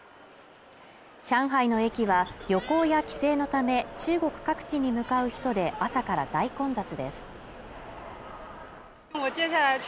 上海の駅は旅行や帰省のため中国各地に向かう人で朝から大混雑です